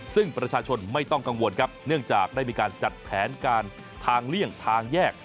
ซึ่งประชาชนไม่ต้องกังวลครับเนื่องจากได้มีการจัดแผนการทางเลี่ยงทางแยก